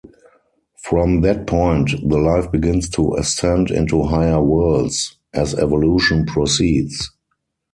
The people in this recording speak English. From that point the life begins to ascend into higher Worlds, as evolution proceeds.